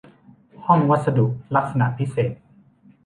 ห้องวัสดุลักษณะพิเศษ